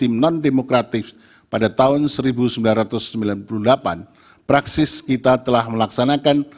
pertama dianggap telah dibacakan